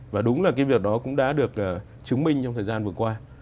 và đúng là cái việc đó cũng đã được chứng minh trong thời gian vừa qua